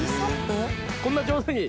こんな上手に。